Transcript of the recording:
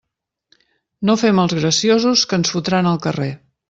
No fem els graciosos, que ens fotran al carrer.